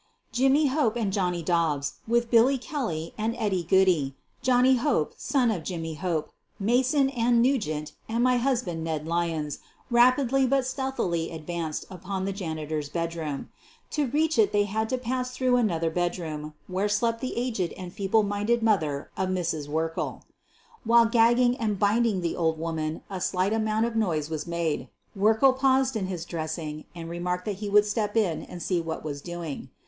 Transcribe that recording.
Jimmy Hope and Johnny Dobbs, with Billy Kel ly and Eddie Goodey, Johnny Hope, son of Jimmy Hope, Mason, and Nugent, and my husband, Ned Lyons, rapidly but stealthily advanced upon the janitor's bedroom. To reach it they had to ~»ass through another bedroom, where slept the agea and feeble minded mother of Mrs. Werkle. While gagging and binding the old woman a slight amount of noise was made. Werkle paused in his dressing and remarked that he would step in and see what was doing.